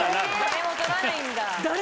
誰も撮らないんだ。